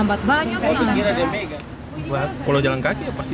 bukan kesehatan dompet